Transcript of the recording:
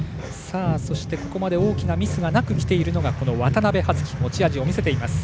そして、ここまで大きなミスがなくきているのがこの渡部葉月持ち味を見せています。